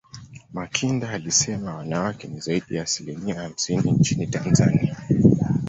makinda alisema wanawake ni zaidi ya asilimia hamsini nchini tanzania